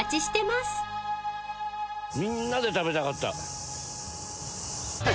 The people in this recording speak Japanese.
みんなで食べたかった。